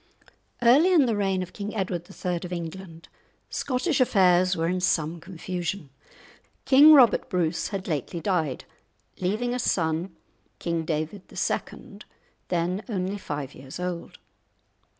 Early in the reign of King Edward III. of England Scottish affairs were in some confusion. King Robert Bruce had lately died, leaving a son, King David II., then only five years old.